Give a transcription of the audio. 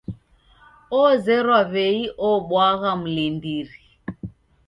Ozerwa w'ei obwagha mlindiri.